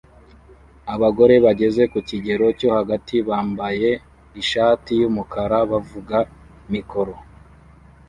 Abagore bageze mu kigero cyo hagati bambaye ishati yumukara bavuga mikoro